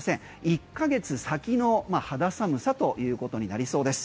１ヶ月先の肌寒さということになりそうです。